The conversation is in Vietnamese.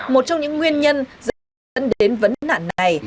một trong những nguyên nhân dẫn đến vấn nạn này